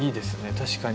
確かに。